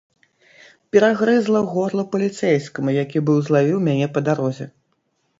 Перагрызла горла паліцэйскаму, які быў злавіў мяне па дарозе.